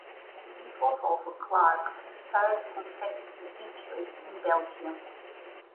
This was also Clark's third consecutive victory in Belgium.